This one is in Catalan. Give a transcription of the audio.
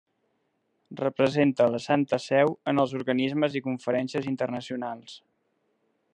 Representa la Santa Seu en els organismes i conferències internacionals.